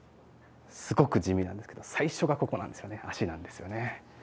すごく地味なんですけど最初がここなんですよね足なんですよね。